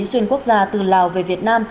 xuyên quốc gia từ lào về việt nam